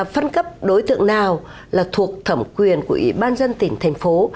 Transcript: phân cấp đối tượng nào là thuộc thẩm quyền của ủy ban dân tỉnh thành phố